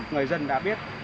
người dân đã biết